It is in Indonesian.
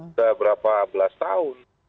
udah berapa belas tahun